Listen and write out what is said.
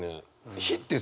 火ってさ